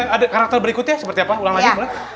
ada karakter berikutnya seperti apa ulang lagi